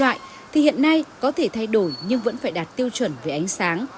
loại thì hiện nay có thể thay đổi nhưng vẫn phải đạt tiêu chuẩn về ánh sáng